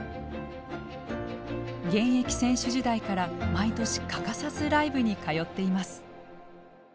現役選手時代から毎年欠かさずライブに通っています。